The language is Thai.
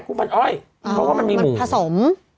กุ้งพันอ้อยเพราะว่ามันมีหมูอ๋อมันผสม